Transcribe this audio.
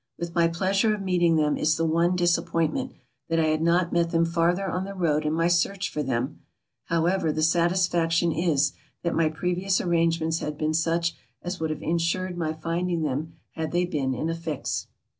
With my pleasure of meeting them is the one disappointment, that I had not met them farther on the road in my search for them ; however, the satisfaction is, that my previous arrangements had been such as would have insured my finding them had they been in a fix.